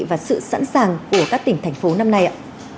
và sự sẵn sàng của các tỉnh thành phố năm nay ạ